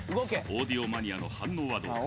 オーディオマニアの反応はどうか？